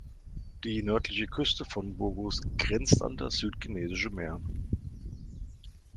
Die nördliche Küste von Burgos grenzt an das Südchinesische Meer.